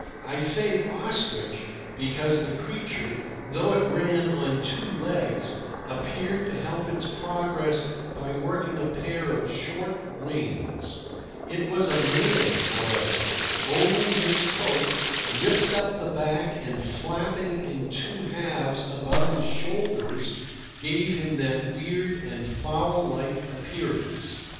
I say ostrich because the creature, though it ran on two legs, appeared to help its progress by working a pair of short wings; it was a man, however, only his coat, ripped up the back and flapping in two halves above his shoulders, gave him that weird and fowl like appearance.